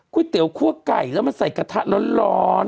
คุยเตียวครัวไก่แล้วมันใส่กระทะแล้วร้อน